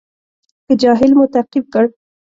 که جاهل مو تعقیب کړ.